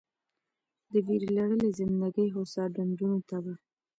د ویرلړلې زندګي خوسا ډنډونو ته به